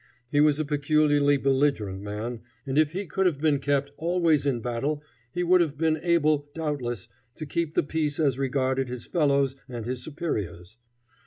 He was a peculiarly belligerent man, and if he could have been kept always in battle he would have been able doubtless to keep the peace as regarded his fellows and his superiors.